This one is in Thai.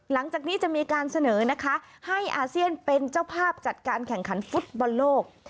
หลังจากนี้จะมีการเสนอนะคะให้อาเซียนเป็นเจ้าภาพจัดการแข่งขันฟุตบอลโลก